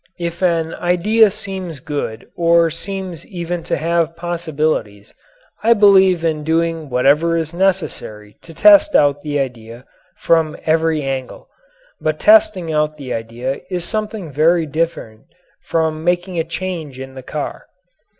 If an idea seems good or seems even to have possibilities, I believe in doing whatever is necessary to test out the idea from every angle. But testing out the idea is something very different from making a change in the car.